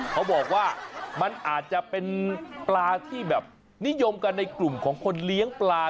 เขาบอกว่ามันอาจจะเป็นปลาที่แบบนิยมกันในกลุ่มของคนเลี้ยงปลา